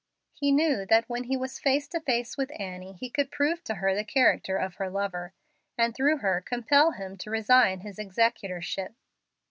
He knew that when he was face to face with Annie he could prove to her the character of her lover, and through her compel him to resign his executorship.